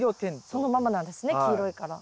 そのままなんですね黄色いから。